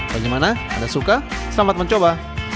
bagaimana anda suka selamat mencoba